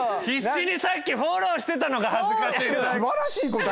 必死にさっきフォローしてたのが恥ずかしい。